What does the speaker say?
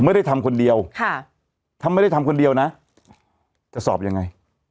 ไม่ได้ทำคนเดียวถ้าไม่ได้ทำคนเดียวนะจะสอบยังไง